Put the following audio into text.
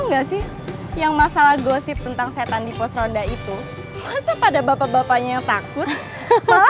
enggak sih yang masalah gosip tentang setan di pos ronda itu masa pada bapak bapaknya yang takut malah